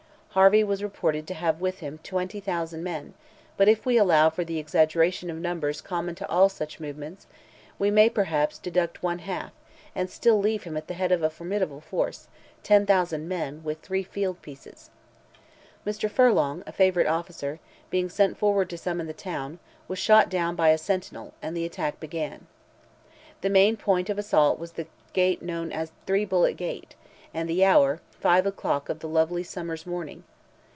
Harvey was reported to have with him 20,000 men; but if we allow for the exaggeration of numbers common to all such movements, we may, perhaps, deduct one half, and still leave him at the head of a formidable force—10,000 men, with three field pieces. Mr. Furlong, a favourite officer, being sent forward to summon the town, was shot down by a sentinel, and the attack began. The main point of assault was the gate known as "three bullet gate," and the hour, five o'clock of the lovely summer's morning.